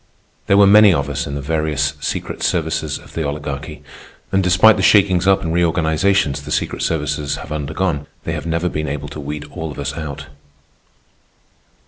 There were many of us in the various secret services of the Oligarchy, and despite the shakings up and reorganizations the secret services have undergone, they have never been able to weed all of us out.